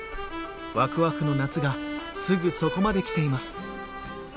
わくわくの夏がすぐそこまで来ています。